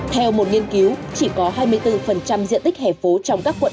theo một nghiên cứu chỉ có hai mươi bốn diện tích hẻ phố trong các quận